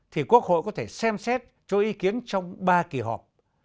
thì quốc hội có thể xem xét cho ý kiến trong ba kỳ họp